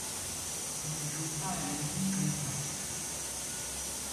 On ne joue pas la manille comme ça.